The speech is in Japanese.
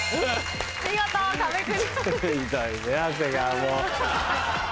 見事壁クリアです。